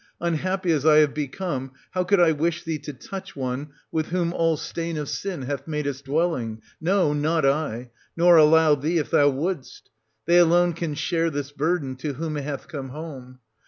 Unhappy as I have become, how could I wish thee to touch one with whom all stain of sin hath made its dwelling? No, not I,— nor allow thee, if thou wouldst. They alone can share this burden, to whom it hath come home.